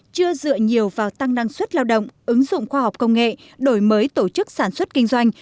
chưa dựa nhiều vào tăng năng suất lao động ứng dụng khoa học công nghệ đổi mới tổ chức sản xuất kinh doanh